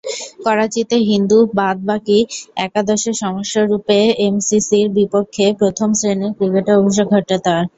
করাচিতে হিন্দু বাদ-বাকী একাদশে সদস্যরূপে এমসিসির বিপক্ষে প্রথম-শ্রেণীর ক্রিকেটে অভিষেক ঘটে তার।